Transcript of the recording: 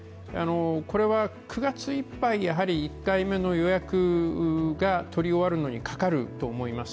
これは９月いっぱい、やはり１回目の予約が取り終わるのにかかると思います。